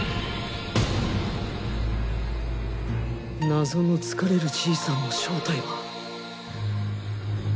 謎の疲れる爺さんの正体は。